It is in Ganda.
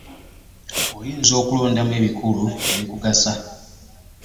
Oyinza okulondamu ebikulu ebikugasa.